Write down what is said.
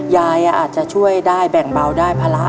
ยายอาจจะช่วยได้แบ่งเบาได้ภาระ